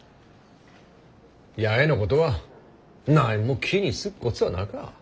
弥江のことは何も気にすっこつはなか。